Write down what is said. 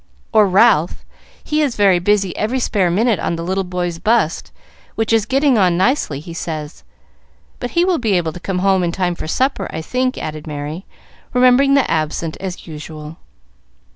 "Or Ralph; he is very busy every spare minute on the little boy's bust, which is getting on nicely, he says; but he will be able to come home in time for supper, I think," added Merry, remembering the absent, as usual.